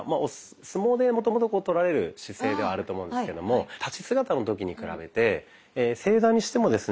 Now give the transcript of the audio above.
相撲でもともととられる姿勢ではあると思うんですけども立ち姿の時に比べて正座にしてもですね